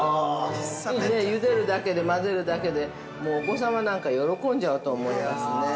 ◆ゆでるだけで、混ぜるだけでお子様なんか喜んじゃうと思いますね。